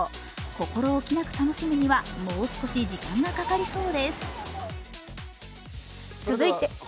心おきなく楽しむにはもう少し時間がかかりそうです。